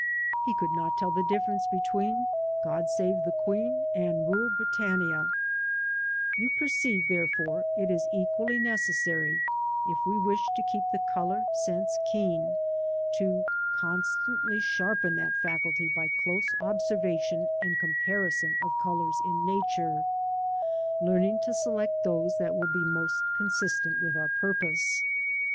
He could not tell the difference between God Save the Queen " and '* Rule Britannia/' You perceive, therefore, it is equally necessary, if we wish to keep^ the colour sense keen, to constantly sharpen that faculty by close observation and com parison of colours in Nature, learning to select those that will be most consistent with our purpose.